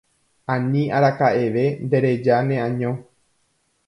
ani araka'eve ndereja ne año